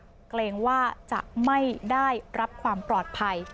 เพราะเกรงว่าจะไม่ได้รับความปลอดภัย